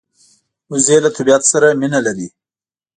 وزې له طبیعت سره مینه لري